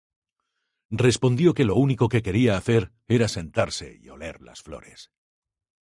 Respondió que lo único que quería hacer era sentarse y oler las flores.